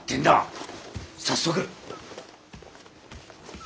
早速。